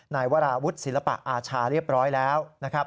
ในวราวุฒิศิลปะอาชาเรียบร้อยแล้ว